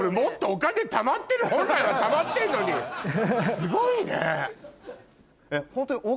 すごいね。